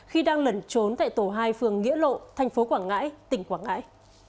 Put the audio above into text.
khi đang lẩn trốn tại tổ hai phường nghĩa lộ thành phố quảng ngãi tỉnh quảng ngãi